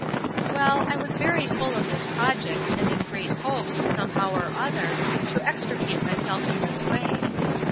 Well, I was very full of this project, and in great hopes, some how or other, to extricate myself in this way.